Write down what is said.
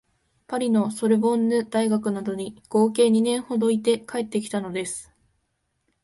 パリのソルボンヌ大学などに合計二年ほどいて帰ってきたのです